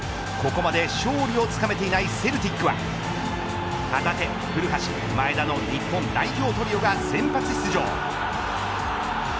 ここまで勝利をつかめていないセルティックは旗手、古橋、前田の日本代表トリオが先発出場。